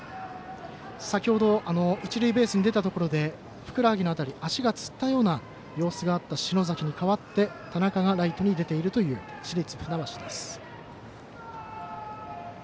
先ほど一塁ベースに出たところでふくらはぎの辺り足がつったような様子があった篠崎に代わって田中がライトに出ているという市立船橋。